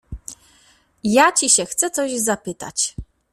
— Ja ci się chcę coś zapytać.